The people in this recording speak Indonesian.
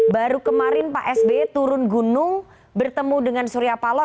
baru kemarin pak sby turun gunung bertemu dengan surya paloh